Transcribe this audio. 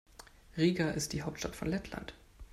Riga ist die Hauptstadt von Lettland.